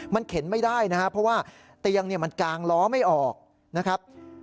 มันเข็นไม่ได้นะครับเพราะว่าเตียงมันกางล้อไม่ออกนะครับ